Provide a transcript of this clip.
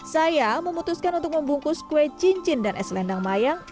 saya memutuskan untuk membungkus kue cincin dan es lendang mayang